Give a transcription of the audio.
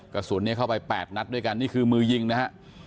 กระสุนเข้าไป๘นัดด้วยกันนี่คือมือยิงนะฮะ